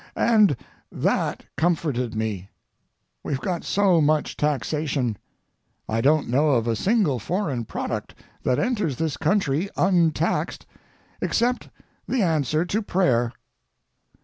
And that comforted me. We've got so much taxation. I don't know of a single foreign product that enters this country untaxed except the answer to prayer.